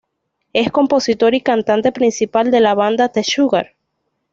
Es compositor y cantante principal de la banda "The Sugar".